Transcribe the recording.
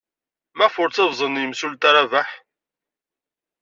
Maɣef ur ttabẓen yemsulta Rabaḥ?